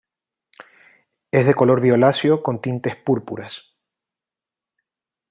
Es de color violáceo con tintes púrpuras.